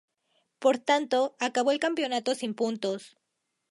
Por tanto, acabó el campeonato sin puntos.